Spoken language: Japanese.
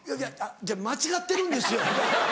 違う間違ってるんですよ！